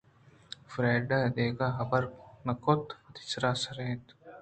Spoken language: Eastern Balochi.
فریڈا ءَدگہ حبر نہ کُت وتی سرے سُرینت